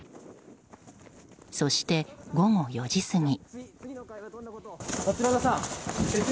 そして、午後４時過ぎ。